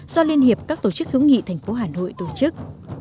do liên hiệp các tổ chức hữu nghị thành phố hà nội tổ chức